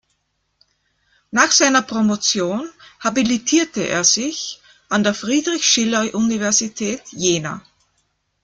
Nach seiner Promotion habilitierte er sich an der Friedrich-Schiller-Universität Jena.